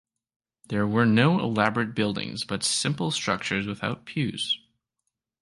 These were no elaborate buildings but simple structures without pews.